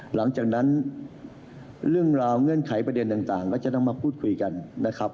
หลังจากนั้นเรื่องราวเงื่อนไขประเด็นต่างก็จะต้องมาพูดคุยกันนะครับ